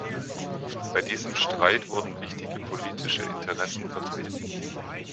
Bei diesem Streit wurden wichtige politische Interessen vertreten.